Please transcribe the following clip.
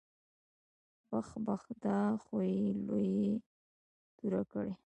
بح بح دا خو يې لويه توره کړې.